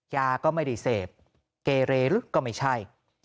ยาก็ไม่ได้เสพเกเรลึกก็ไม่ใช่